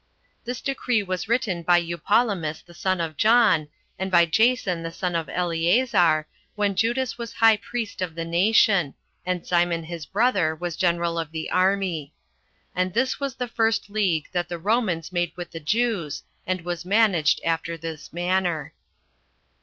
This decree was written by Eupolemus the son of John, and by Jason the son of Eleazar, 28 when Judas was high priest of the nation, and Simon his brother was general of the army. And this was the first league that the Romans made with the Jews, and was managed after this manner.